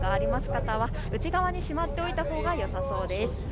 方は内側にしまっておいたほうがよさそうです。